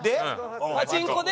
パチンコで。